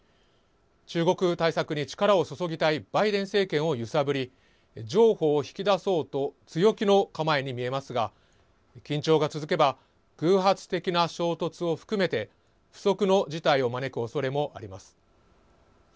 中国対策に力を注ぎたいバイデン政権を揺さぶり譲歩を引き出そうと強気の構えに見えますが緊張が続けば偶発的な衝突を含めて不測の事態を招くおそれもあります。